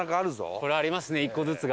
これありますね１個ずつが。